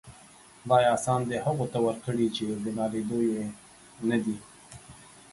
خداىه! آسان دي هغو ته ورکړي چې د ناليدو يې ندې.